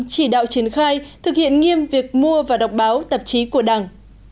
chỉ đạo triển khai thực hiện nghiêm việc mua và đọc báo tạp chí của đảng